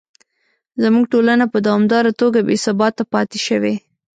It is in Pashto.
زموږ ټولنه په دوامداره توګه بې ثباته پاتې شوې.